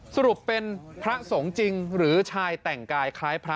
สรุปเป็นพระสงฆ์จริงหรือชายแต่งกายคล้ายพระ